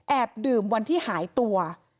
ดื่มวันที่หายตัว